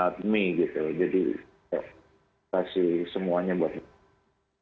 jadi saya kasih semuanya buat